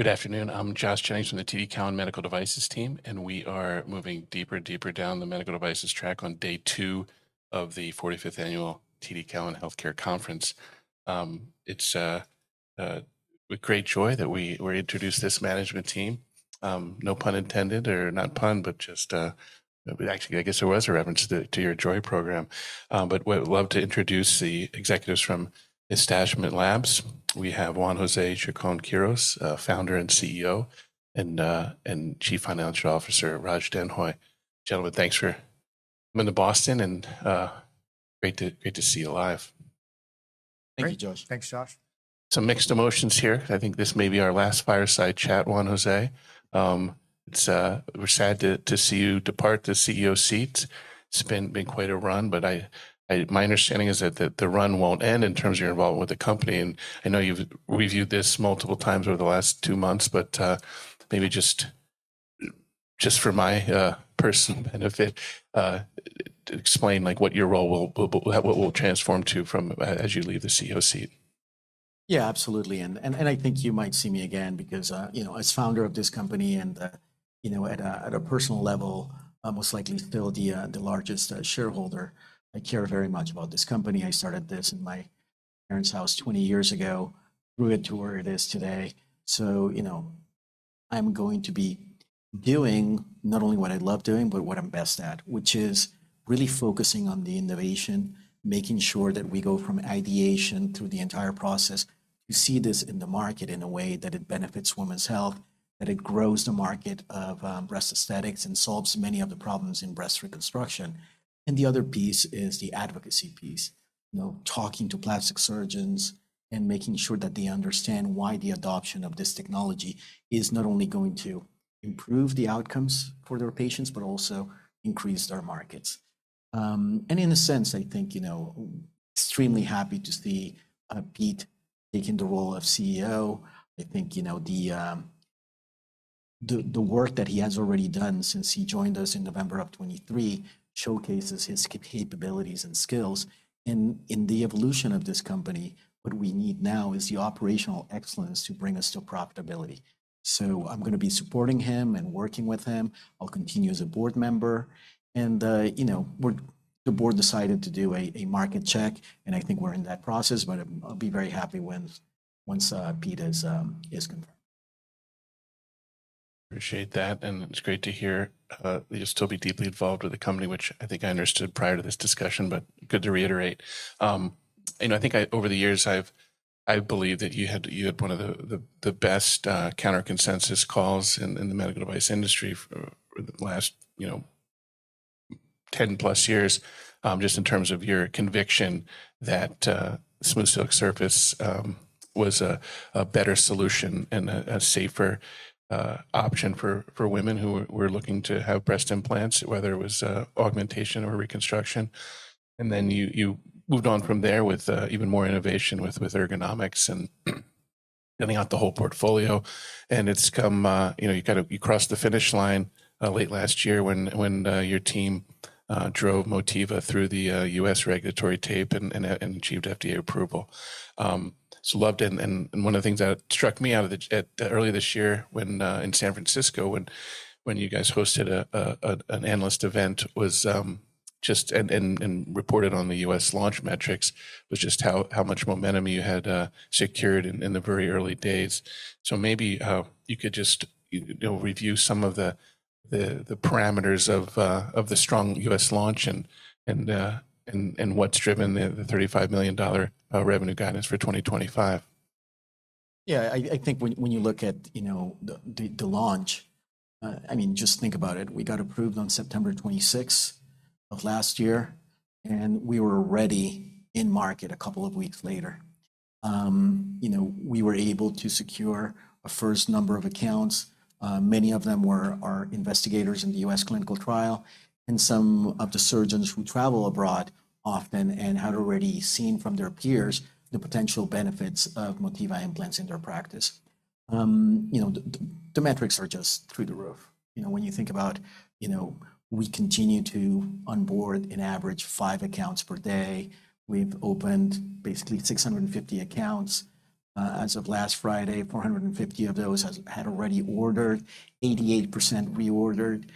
Good afternoon. I'm Josh Chang from the TD Cowen Medical Devices team, and we are moving deeper and deeper down the medical devices track on day two of the 45th Annual TD Cowen Health Care Conference. It's, with great joy that we were introduced to this management team. Not pun intended, or not pun, but just, actually, I guess there was a reference to your joy program. But we'd love to introduce the executives from Establishment Labs. We have Juan José Chacón Quirós, founder and CEO, and Chief Financial Officer, Raj Denhoy. Gentlemen, thanks for coming to Boston, and great to, great to see you live. Thank you, Josh. Thanks, Josh. Some mixed emotions here. I think this may be our last fireside chat, Juan José. It's, we're sad to see you depart the CEO seat. It's been quite a run, but I, my understanding is that the run won't end in terms of your involvement with the company. I know you've reviewed this multiple times over the last two months, but maybe just for my personal benefit, explain like what your role will transform to from, as you leave the CEO seat. Yeah, absolutely. I think you might see me again because, you know, as founder of this company and, you know, at a personal level, most likely still the largest shareholder. I care very much about this company. I started this in my parents' house 20 years ago, grew it to where it is today. You know, I'm going to be doing not only what I love doing, but what I'm best at, which is really focusing on the innovation, making sure that we go from ideation through the entire process to see this in the market in a way that it benefits women's health, that it grows the market of breast aesthetics and solves many of the problems in breast reconstruction. The other piece is the advocacy piece, you know, talking to plastic surgeons and making sure that they understand why the adoption of this technology is not only going to improve the outcomes for their patients, but also increase their markets. In a sense, I think, you know, extremely happy to see Pete taking the role of CEO. I think, you know, the work that he has already done since he joined us in November of 2023 showcases his capabilities and skills. In the evolution of this company, what we need now is the operational excellence to bring us to profitability. I am going to be supporting him and working with him. I will continue as a board member. You know, the board decided to do a market check, and I think we're in that process, but I'll be very happy once Pete is confirmed. Appreciate that. It's great to hear that you'll still be deeply involved with the company, which I think I understood prior to this discussion, but good to reiterate. You know, I think I, over the years, I've, I believe that you had, you had one of the best counter consensus calls in the medical device industry for the last 10+ years, just in terms of your conviction that SmoothSilk surface was a better solution and a safer option for women who were looking to have breast implants, whether it was augmentation or reconstruction. You moved on from there with even more innovation with ergonomics and building out the whole portfolio. It's come, you know, you kind of, you crossed the finish line late last year when your team drove Motiva through the U.S. regulatory tape and achieved FDA approval. One of the things that struck me early this year in San Francisco when you guys hosted an analyst event was, and reported on the U.S. launch metrics, just how much momentum you had secured in the very early days. Maybe you could just, you know, review some of the parameters of the strong U.S. launch and what's driven the $35 million revenue guidance for 2025. Yeah, I think when you look at, you know, the launch, I mean, just think about it. We got approved on September 26 of last year, and we were ready in market a couple of weeks later. You know, we were able to secure a first number of accounts. Many of them were our investigators in the U.S. clinical trial and some of the surgeons who travel abroad often and had already seen from their peers the potential benefits of Motiva implants in their practice. You know, the metrics are just through the roof. You know, when you think about, you know, we continue to onboard an average five accounts per day. We've opened basically 650 accounts. As of last Friday, 450 of those had already ordered, 88% reordered.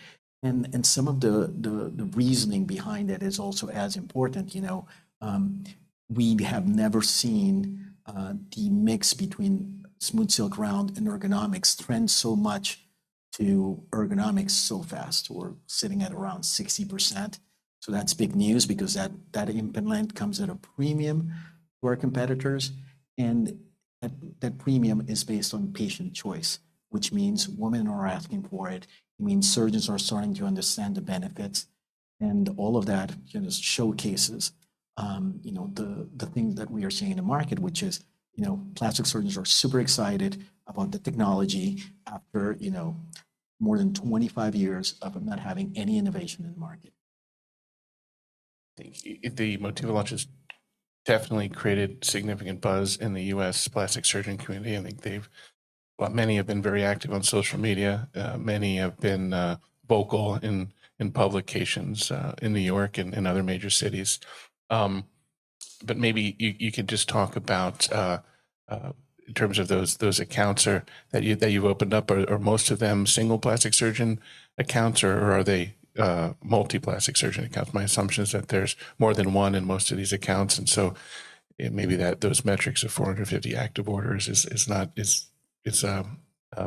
Some of the reasoning behind it is also as important, you know, we have never seen the mix between SmoothSilk Round and Ergonomic trend so much to Ergonomic so fast. We're sitting at around 60%. That's big news because that implant comes at a premium to our competitors. That premium is based on patient choice, which means women are asking for it. It means surgeons are starting to understand the benefits. All of that kind of showcases, you know, the things that we are seeing in the market, which is, you know, plastic surgeons are super excited about the technology after, you know, more than 25 years of not having any innovation in the market. Thank you. The Motiva launch has definitely created significant buzz in the U.S. plastic surgeon community. I think they've, well, many have been very active on social media. Many have been vocal in publications, in New York and other major cities. Maybe you could just talk about, in terms of those accounts that you've opened up, are most of them single plastic surgeon accounts or are they multi-plastic surgeon accounts? My assumption is that there's more than one in most of these accounts. Maybe those metrics of 450 active orders is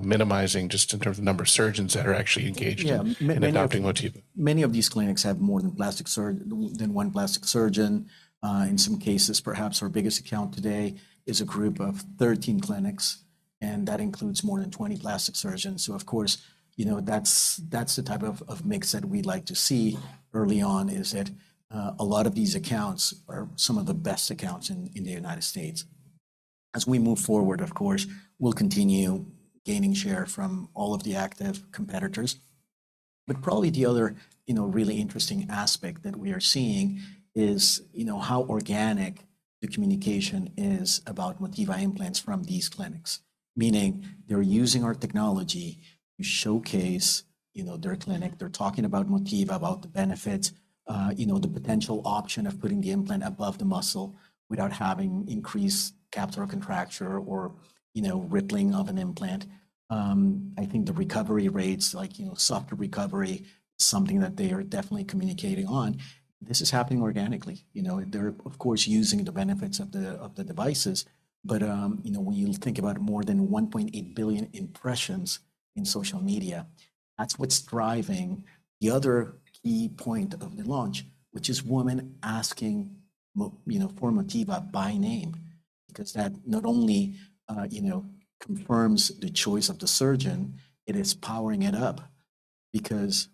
minimizing just in terms of number of surgeons that are actually engaged in adopting Motiva. Many of these clinics have more than one plastic surgeon. In some cases, perhaps our biggest account today is a group of 13 clinics, and that includes more than 20 plastic surgeons. Of course, you know, that's the type of mix that we'd like to see early on is that a lot of these accounts are some of the best accounts in the United States. As we move forward, of course, we'll continue gaining share from all of the active competitors. Probably the other, you know, really interesting aspect that we are seeing is, you know, how organic the communication is about Motiva implants from these clinics, meaning they're using our technology to showcase, you know, their clinic. They're talking about Motiva, about the benefits, you know, the potential option of putting the implant above the muscle without having increased capsular contracture or, you know, rippling of an implant. I think the recovery rates, like, you know, softer recovery, something that they are definitely communicating on. This is happening organically. You know, they're of course using the benefits of the, of the devices, but, you know, when you think about more than $1.8 billion impressions in social media, that's what's driving the other key point of the launch, which is women asking, you know, for Motiva by name because that not only, you know, confirms the choice of the surgeon, it is powering it up because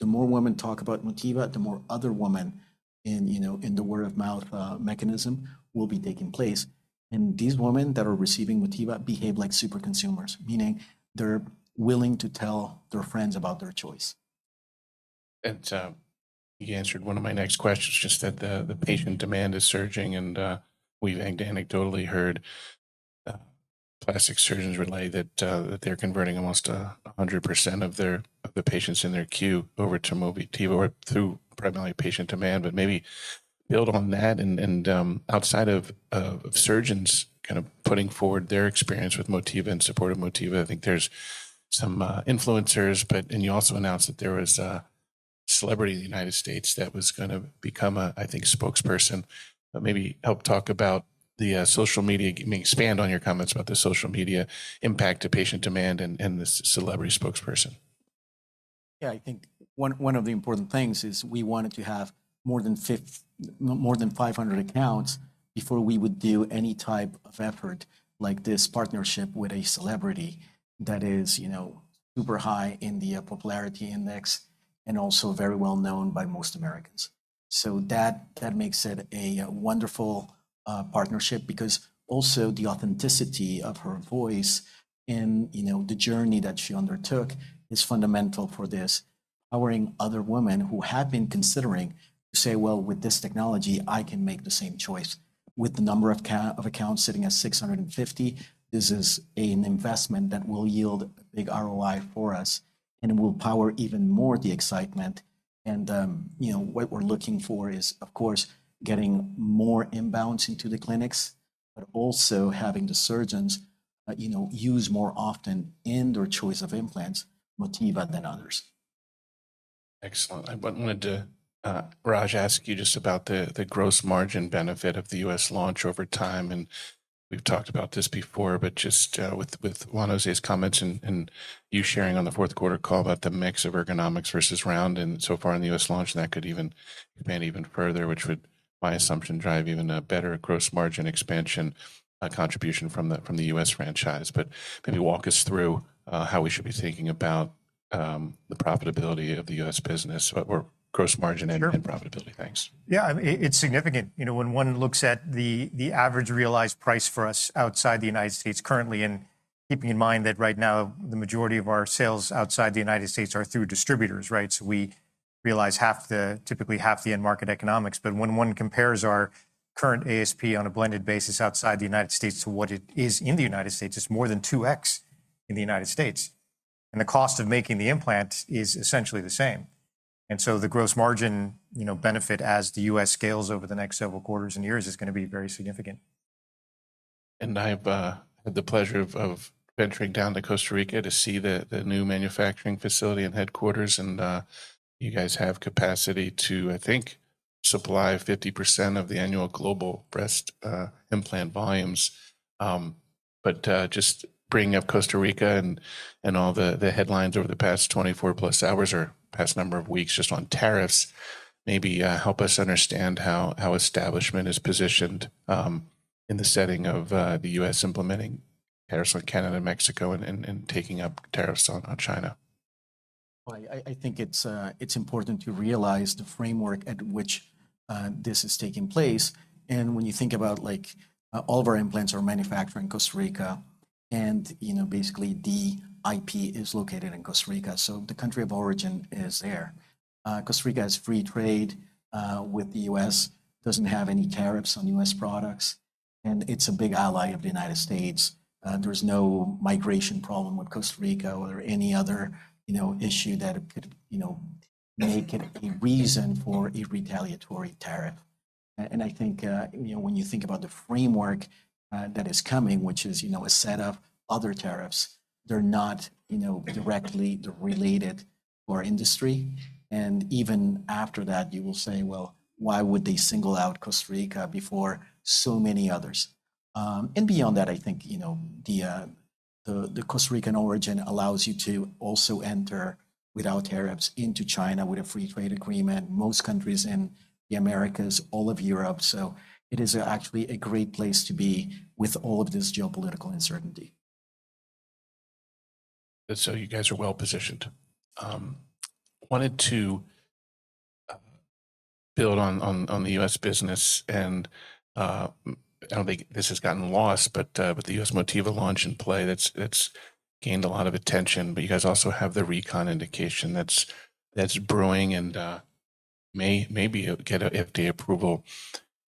the more women talk about Motiva, the more other women in, you know, in the word of mouth, mechanism will be taking place. These women that are receiving Motiva behave like super consumers, meaning they're willing to tell their friends about their choice. You answered one of my next questions, just that the patient demand is surging. We've anecdotally heard plastic surgeons relay that they're converting almost 100% of the patients in their queue over to Motiva or through primarily patient demand. Maybe build on that, and outside of surgeons kind of putting forward their experience with Motiva and support of Motiva, I think there's some influencers, and you also announced that there was a celebrity in the United States that was gonna become a, I think, spokesperson. Maybe help talk about the social media, maybe expand on your comments about the social media impact to patient demand and this celebrity spokesperson. Yeah, I think one of the important things is we wanted to have more than 500 accounts before we would do any type of effort like this partnership with a celebrity that is, you know, super high in the popularity index and also very well known by most Americans. That makes it a wonderful partnership because also the authenticity of her voice and, you know, the journey that she undertook is fundamental for this, powering other women who had been considering to say, you know, with this technology, I can make the same choice. With the number of accounts sitting at 650, this is an investment that will yield a big ROI for us and will power even more the excitement. You know, what we're looking for is, of course, getting more inbounds into the clinics, but also having the surgeons, you know, use more often in their choice of implants Motiva than others. Excellent. I wanted to, Raj, ask you just about the gross margin benefit of the U.S. launch over time. We’ve talked about this before, but just, with Juan José’s comments and you sharing on the fourth quarter call about the mix of ergonomics vs round and so far in the U.S. launch, and that could even expand even further, which would, my assumption, drive even a better gross margin expansion, contribution from the U.S. franchise. Maybe walk us through how we should be thinking about the profitability of the U.S. business or gross margin and profitability. Thanks. Yeah, it's significant. You know, when one looks at the, the average realized price for us outside the United States currently, and keeping in mind that right now the majority of our sales outside the United States are through distributors, right? So we realize half the, typically half the end market economics. When one compares our current ASP on a blended basis outside the United States to what it is in the United States, it's more than 2x in the United States. The cost of making the implant is essentially the same. The gross margin, you know, benefit as the U.S. scales over the next several quarters and years is gonna be very significant. I have had the pleasure of venturing down to Costa Rica to see the new manufacturing facility and headquarters. You guys have capacity to, I think, supply 50% of the annual global breast implant volumes. Just bringing up Costa Rica and all the headlines over the past 24+ hours or past number of weeks just on tariffs, maybe help us understand how Establishment is positioned in the setting of the U.S. implementing tariffs on Canada, Mexico, and taking up tariffs on China. I think it's important to realize the framework at which this is taking place. And when you think about, like, all of our implants are manufactured in Costa Rica and, you know, basically the IP is located in Costa Rica. So the country of origin is there. Costa Rica is free trade, with the U.S., doesn't have any tariffs on U.S. products, and it's a big ally of the United States. There's no migration problem with Costa Rica or any other, you know, issue that could, you know, make it a reason for a retaliatory tariff. I think, you know, when you think about the framework, that is coming, which is, you know, a set of other tariffs, they're not, you know, directly related to our industry. Even after that, you will say, well, why would they single out Costa Rica before so many others? Beyond that, I think, you know, the Costa Rican origin allows you to also enter without tariffs into China with a free trade agreement, most countries in the Americas, all of Europe. It is actually a great place to be with all of this geopolitical uncertainty. You guys are well positioned. I wanted to build on the U.S. business and I do not think this has gotten lost, but the U.S. Motiva launch in play, that has gained a lot of attention, but you guys also have the recon indication that is brewing and may maybe get a FDA approval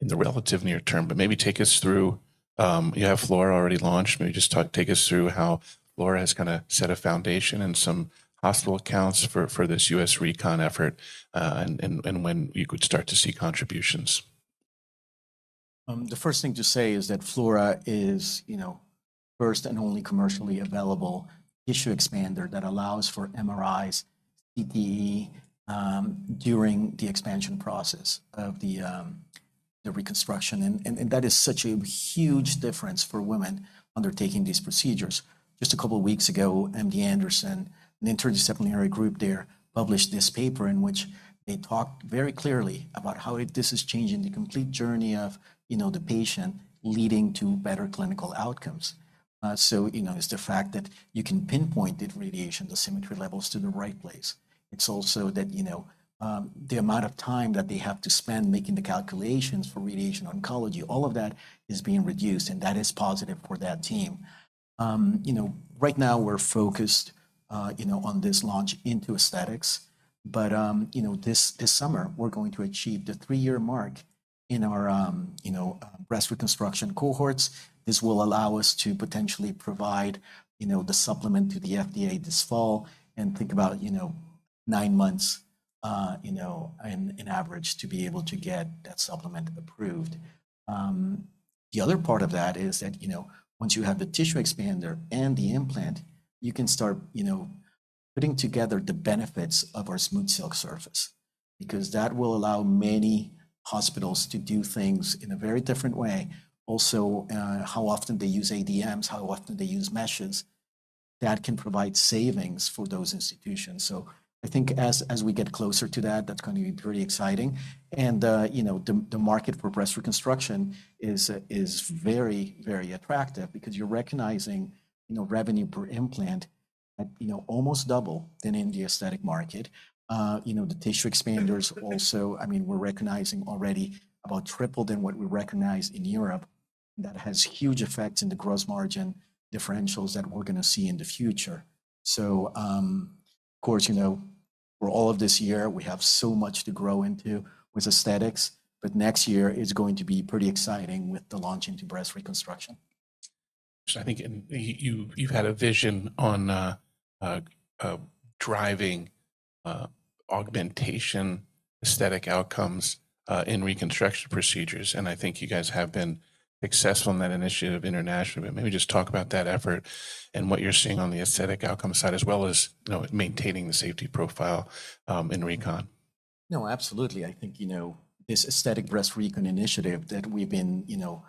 in the relative near term. Maybe take us through, you have Flora already launched. Maybe just talk, take us through how Flora has kind of set a foundation and some hostile accounts for this U.S. recon effort, and when you could start to see contributions. The first thing to say is that Flora is, you know, first and only commercially available tissue expander that allows for MRIs, CTE, during the expansion process of the, the reconstruction. And that is such a huge difference for women undertaking these procedures. Just a couple of weeks ago, MD Anderson, an interdisciplinary group there, published this paper in which they talked very clearly about how this is changing the complete journey of, you know, the patient leading to better clinical outcomes. You know, it's the fact that you can pinpoint the radiation dosimetry levels to the right place. It's also that, you know, the amount of time that they have to spend making the calculations for radiation oncology, all of that is being reduced, and that is positive for that team. You know, right now we're focused, you know, on this launch into aesthetics, but, you know, this summer we're going to achieve the three-year mark in our, you know, breast reconstruction cohorts. This will allow us to potentially provide, you know, the supplement to the FDA this fall and think about, you know, nine months, you know, in, in average to be able to get that supplement approved. The other part of that is that, you know, once you have the tissue expander and the implant, you can start, you know, putting together the benefits of our SmoothSilk surface because that will allow many hospitals to do things in a very different way. Also, how often they use ADMs, how often they use meshes that can provide savings for those institutions. I think as, as we get closer to that, that's gonna be pretty exciting. You know, the market for breast reconstruction is very, very attractive because you're recognizing, you know, revenue per implant at almost double than in the aesthetic market. You know, the tissue expanders also, I mean, we're recognizing already about triple than what we recognize in Europe. That has huge effects in the gross margin differentials that we're gonna see in the future. Of course, you know, for all of this year, we have so much to grow into with aesthetics, but next year is going to be pretty exciting with the launch into breast reconstruction. I think you, you've had a vision on driving augmentation aesthetic outcomes in reconstruction procedures. And I think you guys have been successful in that initiative internationally, but maybe just talk about that effort and what you're seeing on the aesthetic outcome side as well as, you know, maintaining the safety profile in recon. No, absolutely. I think, you know, this aesthetic breast recon initiative that we've been, you know,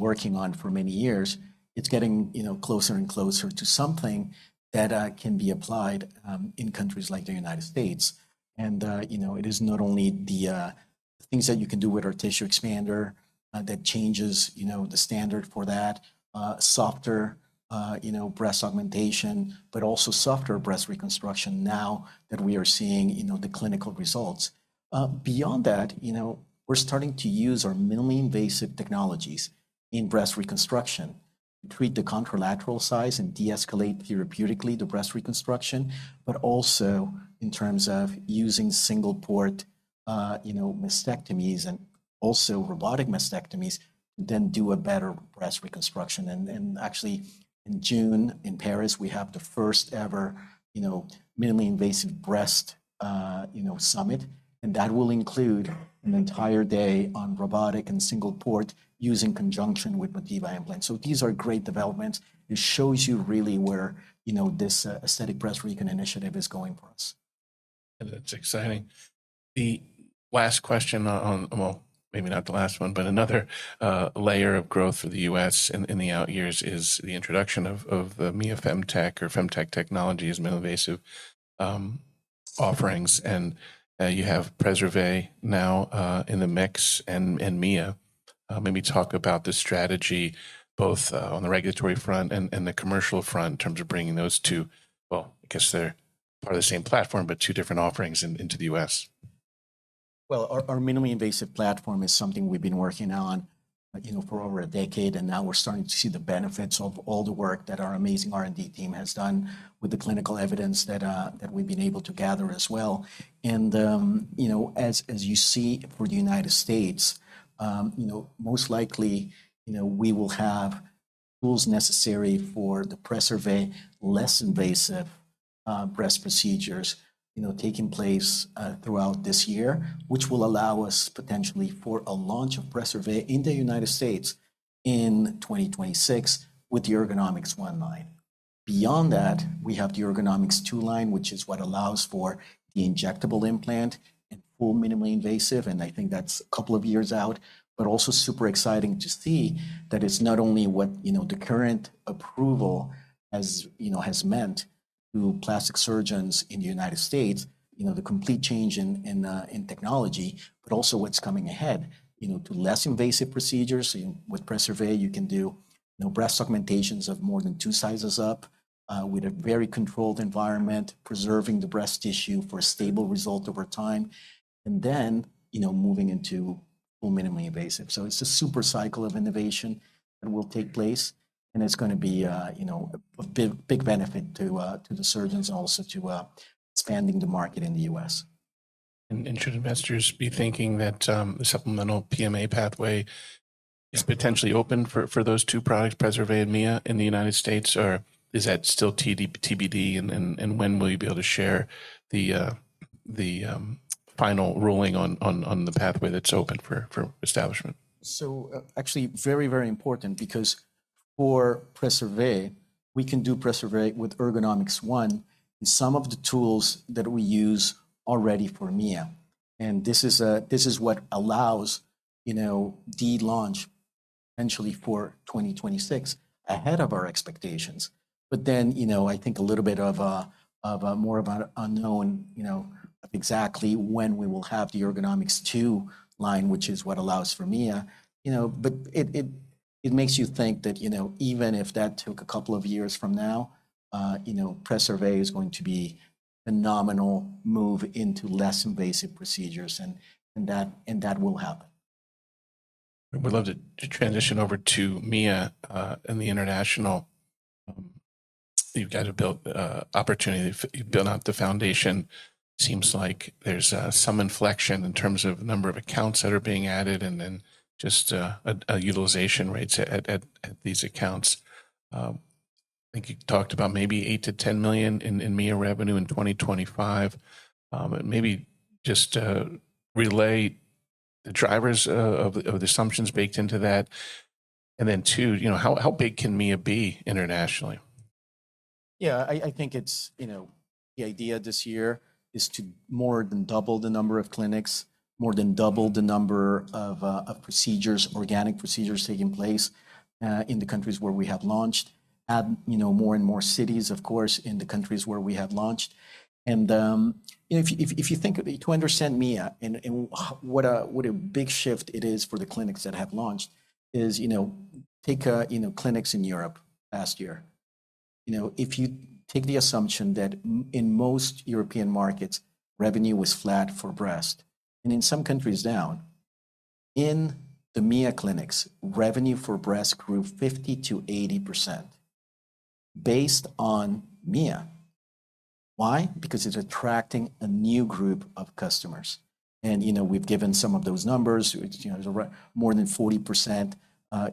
working on for many years, it's getting, you know, closer and closer to something that can be applied in countries like the United States. You know, it is not only the things that you can do with our tissue expander that changes, you know, the standard for that softer, you know, breast augmentation, but also softer breast reconstruction now that we are seeing, you know, the clinical results. Beyond that, you know, we're starting to use our minimally invasive technologies in breast reconstruction to treat the contralateral size and de-escalate therapeutically the breast reconstruction, but also in terms of using single port, you know, mastectomies and also robotic mastectomies to then do a better breast reconstruction. Actually, in June in Paris, we have the first ever, you know, minimally invasive breast, you know, summit, and that will include an entire day on robotic and single port using conjunction with Motiva implants. These are great developments. It shows you really where, you know, this aesthetic breast recon initiative is going for us. That's exciting. The last question on, on, maybe not the last one, but another layer of growth for the U.S. in the out years is the introduction of the Mia FemTech or FemTech technology as minimally invasive offerings. You have Preserve now in the mix and Mia. Maybe talk about the strategy both on the regulatory front and the commercial front in terms of bringing those two, well, I guess they are part of the same platform, but two different offerings into the U.S.. Our minimally invasive platform is something we've been working on, you know, for over a decade, and now we're starting to see the benefits of all the work that our amazing R&D team has done with the clinical evidence that we've been able to gather as well. You know, as you see for the United States, you know, most likely, you know, we will have tools necessary for the Preserve less invasive breast procedures, you know, taking place throughout this year, which will allow us potentially for a launch of Preserve in the United States in 2026 with the ergonomics one line. Beyond that, we have the ergonomics two line, which is what allows for the injectable implant and full minimally invasive. I think that's a couple of years out, but also super exciting to see that it's not only what, you know, the current approval has, you know, has meant to plastic surgeons in the United States, you know, the complete change in, in, in technology, but also what's coming ahead, you know, to less invasive procedures. With Preserve, you can do, you know, breast augmentations of more than two sizes up, with a very controlled environment, preserving the breast tissue for a stable result over time. You know, moving into full minimally invasive. It's a super cycle of innovation that will take place, and it's gonna be, you know, a big, big benefit to, to the surgeons and also to, expanding the market in the U.S.. Should investors be thinking that the supplemental PMA pathway is potentially open for those two products, Preservé and Mia, in the United States, or is that still TBD, and when will you be able to share the final ruling on the pathway that's open for Establishment? Actually, very, very important because for Preservé, we can do Preservé with ergonomics one and some of the tools that we use already for Mia. This is what allows, you know, de-launch potentially for 2026 ahead of our expectations. Then, you know, I think a little bit of a, of a more of an unknown, you know, of exactly when we will have the ergonomics two line, which is what allows for Mia, you know, but it makes you think that, you know, even if that took a couple of years from now, you know, Preserve is going to be a phenomenal move into less invasive procedures and that will happen. We'd love to transition over to Mia. In the international, you've got to build opportunity. You've built out the foundation. Seems like there's some inflection in terms of number of accounts that are being added and then just utilization rates at these accounts. I think you talked about maybe $8 million-$10 million in Mia revenue in 2025. Maybe just relay the drivers of the assumptions baked into that. And then two, you know, how big can Mia be internationally? Yeah, I think it's, you know, the idea this year is to more than double the number of clinics, more than double the number of procedures, organic procedures taking place in the countries where we have launched at, you know, more and more cities, of course, in the countries where we have launched. You know, if you think to understand Mia and what a big shift it is for the clinics that have launched is, you know, take a, you know, clinics in Europe last year. You know, if you take the assumption that in most European markets, revenue was flat for breast and in some countries down, in the Mia clinics, revenue for breast grew 50-80% based on Mia. Why? Because it's attracting a new group of customers. You know, we've given some of those numbers, you know, more than 40%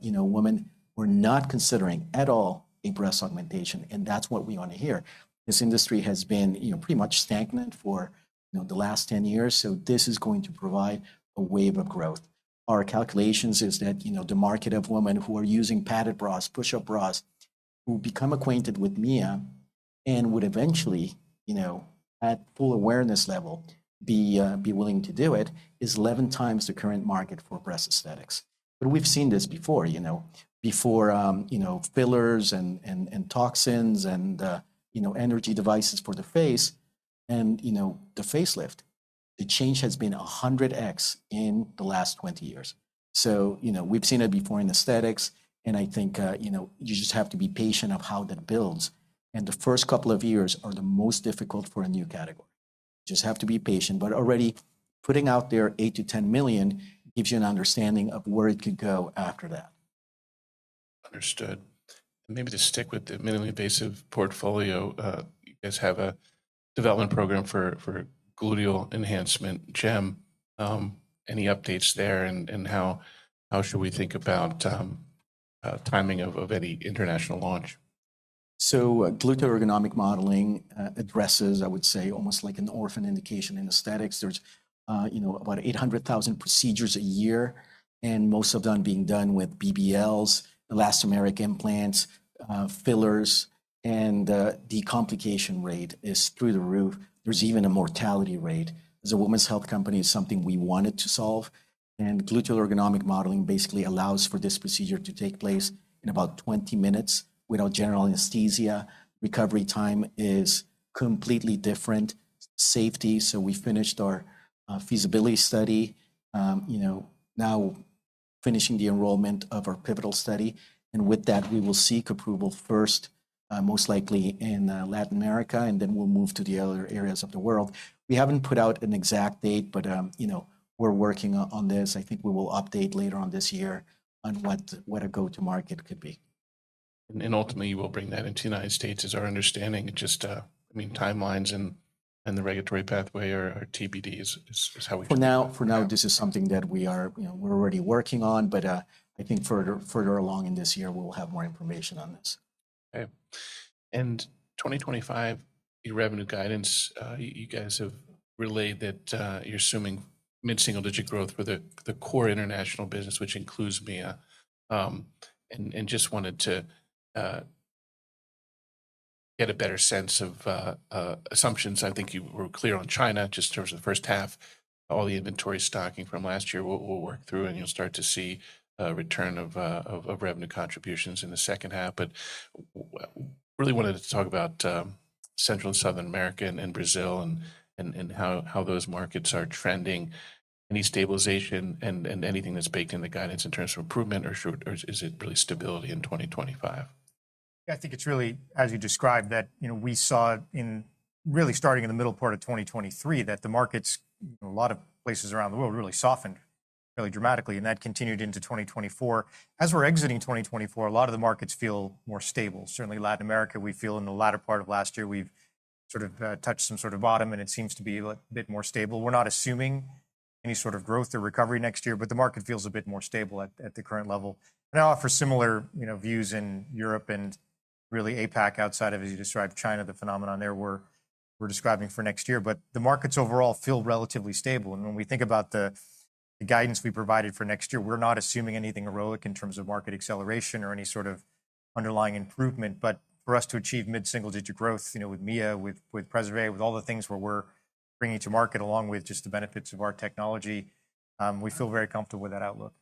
women were not considering at all a breast augmentation. That's what we wanna hear. This industry has been, you know, pretty much stagnant for, you know, the last 10 years. This is going to provide a wave of growth. Our calculations is that, you know, the market of women who are using padded bras, push-up bras, who become acquainted with Mia and would eventually, you know, at full awareness level, be willing to do it is 11x the current market for breast aesthetics. We've seen this before, you know, before fillers and toxins and, you know, energy devices for the face and, you know, the facelift, the change has been a 100X in the last 20 years. You know, we've seen it before in aesthetics. I think, you know, you just have to be patient of how that builds. The first couple of years are the most difficult for a new category. Just have to be patient, but already putting out there $8 million-$10 million gives you an understanding of where it could go after that. Understood. Maybe to stick with the minimally invasive portfolio, you guys have a development program for gluteal enhancement. Any updates there, and how should we think about timing of any international launch? Gluteal ergonomic modeling addresses, I would say, almost like an orphan indication in aesthetics. There's, you know, about 800,000 procedures a year and most of them being done with BBLs, elastomeric implants, fillers. The complication rate is through the roof. There's even a mortality rate. As a women's health company, it's something we wanted to solve. Gluteal ergonomic modeling basically allows for this procedure to take place in about 20 minutes without general anesthesia. Recovery time is completely different. Safety. We finished our feasibility study, you know, now finishing the enrollment of our pivotal study. With that, we will seek approval first, most likely in Latin America, and then we'll move to the other areas of the world. We haven't put out an exact date, but, you know, we're working on this. I think we will update later this year on what a go-to-market could be. Ultimately you will bring that into the United States is our understanding. Just, I mean, timelines and the regulatory pathway or TBDs is how we can... For now, this is something that we are, you know, we're already working on, but I think further along in this year, we'll have more information on this. Okay. In 2025, your revenue guidance, you guys have relayed that you're assuming mid-single digit growth for the core international business, which includes Mia. I just wanted to get a better sense of assumptions. I think you were clear on China just in terms of the first half, all the inventory stocking from last year will work through and you'll start to see a return of revenue contributions in the second half. I really wanted to talk about Central and Southern America and Brazil and how those markets are trending. Any stabilization and anything that's baked in the guidance in terms of improvement or is it really stability in 2025? Yeah, I think it's really, as you described that, you know, we saw in really starting in the middle part of 2023 that the markets, you know, a lot of places around the world really softened fairly dramatically. That continued into 2024. As we're exiting 2024, a lot of the markets feel more stable. Certainly Latin America, we feel in the latter part of last year, we've sort of touched some sort of bottom and it seems to be a bit more stable. We're not assuming any sort of growth or recovery next year, but the market feels a bit more stable at the current level. I offer similar, you know, views in Europe and really APAC outside of, as you described, China, the phenomenon there we're describing for next year, but the markets overall feel relatively stable. When we think about the guidance we provided for next year, we're not assuming anything heroic in terms of market acceleration or any sort of underlying improvement. For us to achieve mid-single digit growth, you know, with Mia, with Preserve, with all the things we're bringing to market along with just the benefits of our technology, we feel very comfortable with that outlook.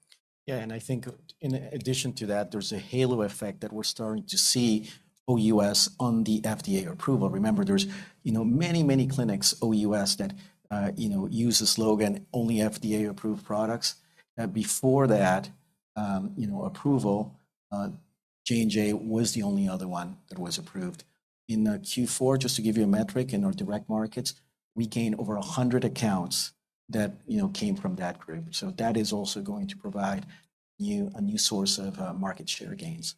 Yeah. I think in addition to that, there's a halo effect that we're starting to see OUS on the FDA approval. Remember, there's, you know, many, many clinics OUS that, you know, use the slogan only FDA approved products. Before that approval, J&J was the only other one that was approved in Q4. Just to give you a metric, in our direct markets, we gained over 100 accounts that, you know, came from that group. That is also going to provide a new, a new source of market share gains.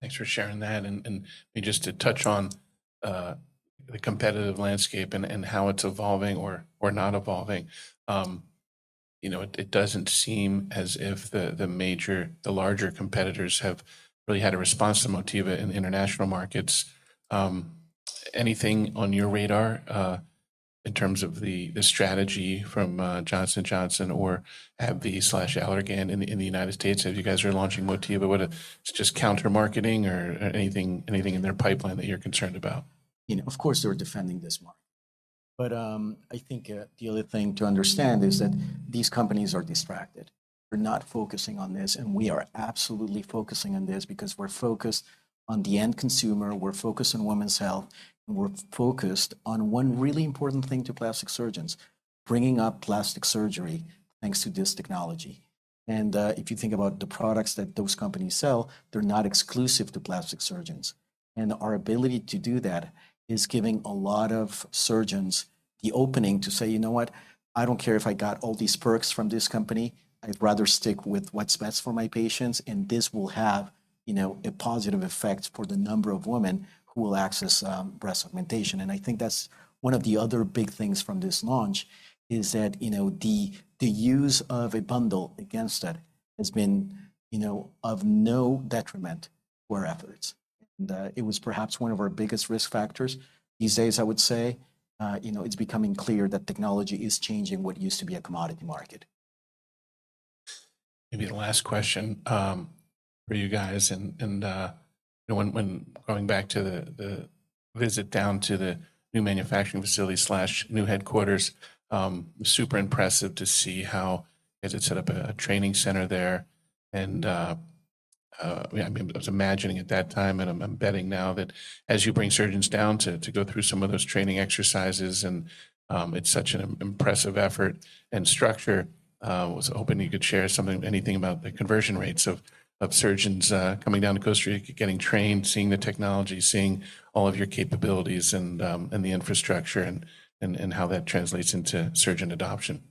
Thanks for sharing that. Maybe just to touch on the competitive landscape and how it's evolving or not evolving. You know, it doesn't seem as if the major, the larger competitors have really had a response to Motiva in international markets. Anything on your radar, in terms of the strategy from Johnson & Johnson or AbbVie/Allergan in the United States? If you guys are launching Motiva, what is just counter marketing or anything, anything in their pipeline that you're concerned about? You know, of course they're defending this market. I think the other thing to understand is that these companies are distracted. We're not focusing on this, and we are absolutely focusing on this because we're focused on the end consumer. We're focused on women's health, and we're focused on one really important thing to plastic surgeons, bringing up plastic surgery thanks to this technology. If you think about the products that those companies sell, they're not exclusive to plastic surgeons. Our ability to do that is giving a lot of surgeons the opening to say, you know what, I don't care if I got all these perks from this company, I'd rather stick with what's best for my patients. This will have, you know, a positive effect for the number of women who will access breast augmentation. I think that's one of the other big things from this launch is that, you know, the use of a bundle against that has been, you know, of no detriment to our efforts. It was perhaps one of our biggest risk factors these days. I would say, you know, it's becoming clear that technology is changing what used to be a commodity market. Maybe the last question, for you guys and, you know, when going back to the, the visit down to the new manufacturing facility slash new headquarters, super impressive to see how, as it set up a training center there and, I mean, I was imagining at that time and I'm, I'm betting now that as you bring surgeons down to, to go through some of those training exercises and, it's such an impressive effort and structure, was hoping you could share something, anything about the conversion rates of, of surgeons, coming down to Costa Rica, getting trained, seeing the technology, seeing all of your capabilities and, and the infrastructure and, and, and how that translates into surgeon adoption.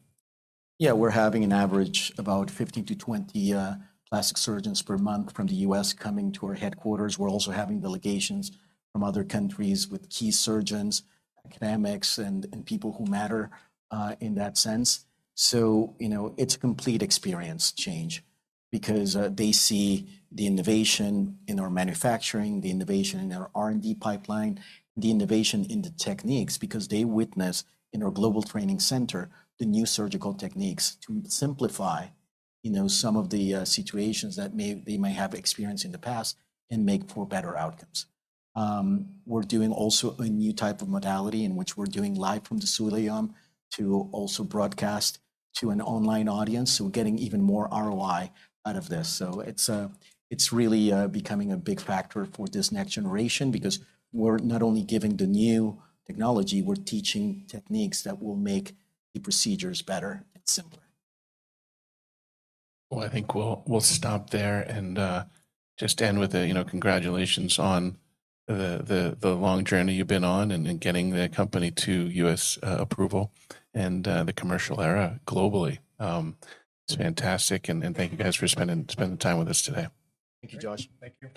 Yeah, we're having an average about 15-20 plastic surgeons per month from the U.S. coming to our headquarters. We're also having delegations from other countries with key surgeons, academics, and people who matter, in that sense. You know, it's a complete experience change because they see the innovation in our manufacturing, the innovation in our R&D pipeline, the innovation in the techniques, because they witness in our global training center the new surgical techniques to simplify, you know, some of the situations that they might have experienced in the past and make for better outcomes. We're doing also a new type of modality in which we're doing live from the soleum to also broadcast to an online audience. We're getting even more ROI out of this. It is really becoming a big factor for this next generation because we are not only giving the new technology, we are teaching techniques that will make the procedures better and simpler. I think we'll stop there and just end with a, you know, congratulations on the long journey you've been on and getting the company to U.S. approval and the commercial era globally. It's fantastic. Thank you guys for spending time with us today. Thank you, Josh. Thank you.